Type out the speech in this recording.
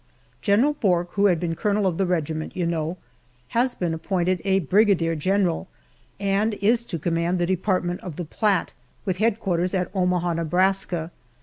General Bourke, who has been colonel of the regiment, you know, has been appointed a brigadier general and is to command the Department of the Platte, with headquarters at Omaha, Nebraska.